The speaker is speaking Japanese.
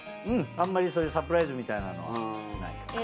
うんあんまりそういうサプライズみたいなのはない。